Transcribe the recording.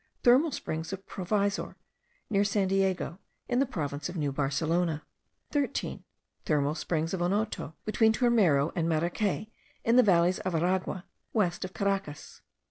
Thermal springs of Provisor, near San Diego, in the province of New Barcelona. 13. Thermal springs of Onoto, between Turmero and Maracay, in the valleys of Aragua, west of Caracas.